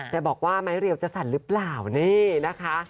แต่บอกว่าไม้เรียวจะสั่นหรือเปล่านี่นะคะ